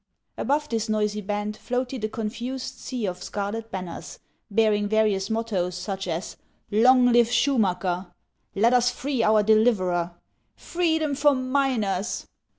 Above this noisy band floated a confused sea of scarlet banners, bearing various mottoes, such as, " Long live Schumacker !"" Let us free our Deliverer !"" Free dom for Miners